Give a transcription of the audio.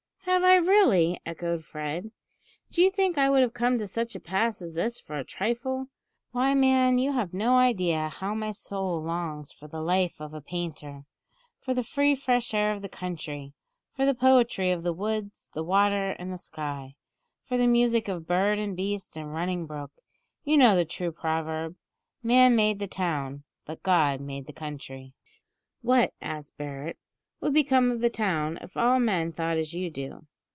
"Have I really!" echoed Fred. "Do you think I would have come to such a pass as this for a trifle? Why, man, you have no idea how my soul longs for the life of a painter, for the free fresh air of the country, for the poetry of the woods, the water, and the sky, for the music of bird and beast and running brook. You know the true proverb, `Man made the town; but God made the country!'" "What," asked Barret, "would become of the town, if all men thought as you do?"